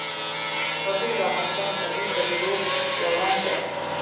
وګړي د افغانستان د طبیعي پدیدو یو رنګ دی.